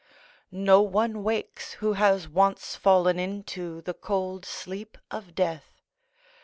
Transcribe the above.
["No one wakes who has once fallen into the cold sleep of death."